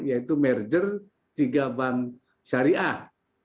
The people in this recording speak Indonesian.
yaitu merger tiga bank syariah